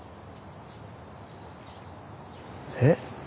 えっ？